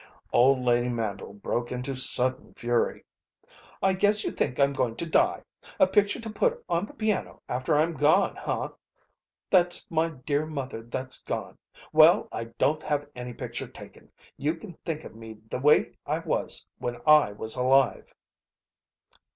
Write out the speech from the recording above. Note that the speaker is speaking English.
Old lady Mandle broke into sudden fury. "I guess you think I'm going to die! A picture to put on the piano after I'm gone, huh? 'That's my dear mother that's gone.' Well, I don't have any picture taken. You can think of me the way I was when I was alive."